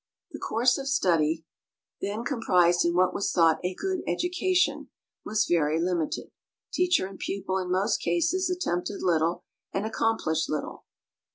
The course of study then comprised in what was thought a good education, was very limited. Teacher and pupil in most cases attempted little, and accomplished little.